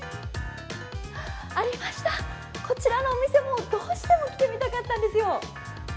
ありました、こちらのお店どうしても行ってみたかったんですよ！